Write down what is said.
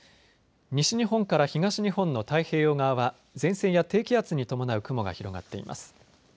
西日本から東日本の太平洋側は前線や低気圧に伴う雲が広がっています。